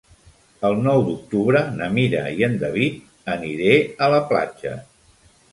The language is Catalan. El nou d'octubre na Mira i en David aniré a la platja.